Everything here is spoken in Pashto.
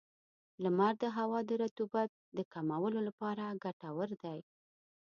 • لمر د هوا د رطوبت د کمولو لپاره ګټور دی.